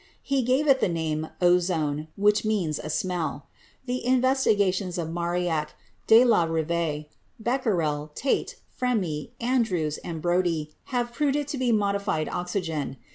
He gave it the name "ozone," which means a smell. The investigations of Marignac, De la Rive, Becquerel, Tait, Fremy, Andrews and Brodie have proved it to be modified oxygen.